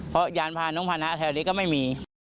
เพราะยานพาน้องพานะแถวนี้ก็ไม่มี